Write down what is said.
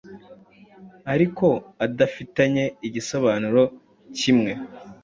ariko adafitanye igisobanuro kimwe.